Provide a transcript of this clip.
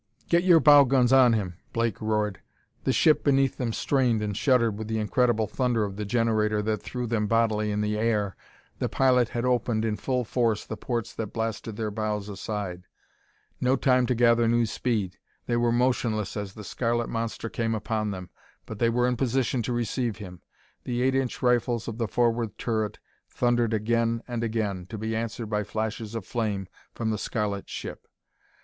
"Get your bow guns on him!" Blake roared. The ship beneath them strained and shuddered with the incredible thunder of the generator that threw them bodily in the air. The pilot had opened in full force the ports that blasted their bows aside. No time to gather new speed; they were motionless as the scarlet monster came upon them, but they were in position to receive him. The eight inch rifles of the forward turret thundered again and again, to be answered by flashes of flame from the scarlet ship.